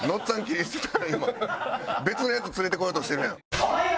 別のヤツ連れてこようとしてるやん。